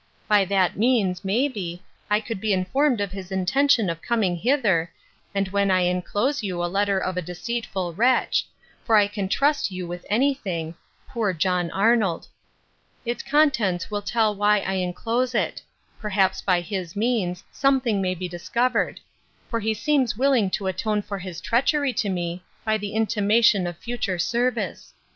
By that means, may be, I could be informed of his intention of coming hither, and when I enclose you a letter of a deceitful wretch; for I can trust you with any thing; poor John Arnold. Its contents will tell why I enclose it. Perhaps by his means, something may be discovered; for he seems willing to atone for his treachery to me, by the intimation of future service.